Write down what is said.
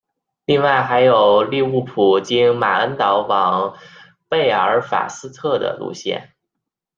另外还有利物浦经马恩岛往贝尔法斯特的路线。